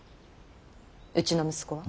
うちの息子は。